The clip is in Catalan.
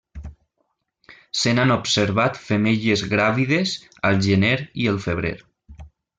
Se n'han observat femelles gràvides al gener i el febrer.